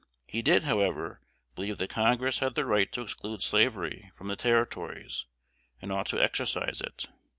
He did, however, believe that Congress had the right to exclude slavery from the Territories, and ought to exercise it.